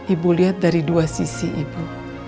ibu lihat dari dua sisi ibu